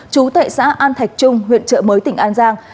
chú tại xã an thạch trung huyện trợ mới tỉnh an giang